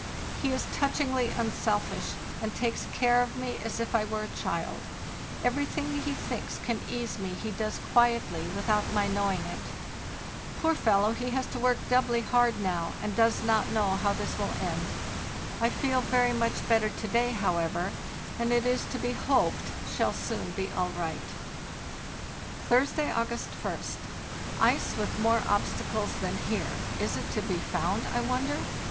He is touchingly unselfish, and takes care of me as if I were a child; everything he thinks can ease me he does quietly, without my knowing it. Poor fellow, he has to work doubly hard now, and does not know how this will * We saw more and more of these remarkable birds the farther we went. CANDID AL LAST 325 end. I feel very much better to day, however, and it is to be hoped shall soon be all right. "Thursday, August ist. Ice with more obstacles than here—is it to be found, I wonder?